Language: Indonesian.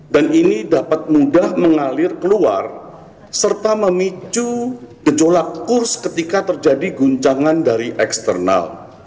dan ini dapat mudah mengalir keluar serta memicu gejolak kurs ketika terjadi guncangan dari eksternal